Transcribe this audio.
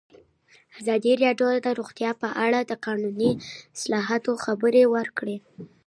ازادي راډیو د روغتیا په اړه د قانوني اصلاحاتو خبر ورکړی.